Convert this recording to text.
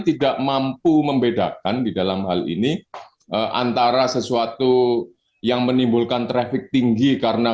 tidak mampu membedakan di dalam hal ini antara sesuatu yang menimbulkan traffic tinggi karena